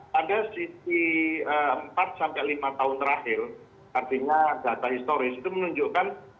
pada sisi empat sampai lima tahun terakhir artinya data historis itu menunjukkan